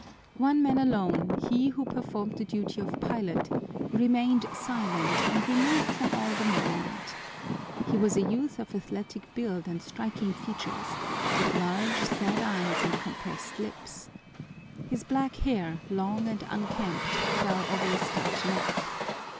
One man alone, he who performed the duty of pilot, remained silent and removed from all the merriment. He was a youth of athletic build and striking features, with large, sad eyes and compressed lips. His black hair, long and unkempt, fell over a stout neck.